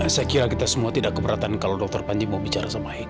saya kira kita semua tidak keberatan kalau dokter panji mau bicara sama hei